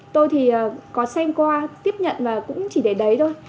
tôi thì có xem qua tiếp nhận và cũng chỉ để đấy thôi